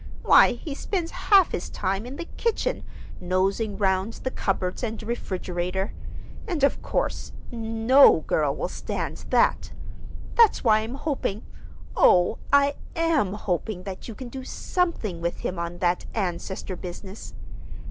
Why, he spends half his time in the kitchen, nosing 'round the cupboards and refrigerator; and, of course, no girl will stand that! That's why I'm hoping, oh, I am hoping that you can do something with him on that ancestor business.